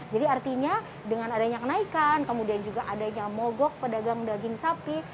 jadi artinya dengan adanya kenaikan kemudian juga adanya mogok pedagang daging sapi